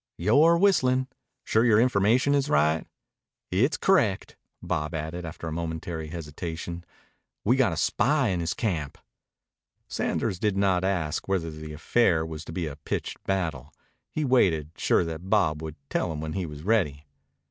"You're whistlin'." "Sure your information is right?" "It's c'rect." Bob added, after a momentary hesitation: "We got a spy in his camp." Sanders did not ask whether the affair was to be a pitched battle. He waited, sure that Bob would tell him when he was ready.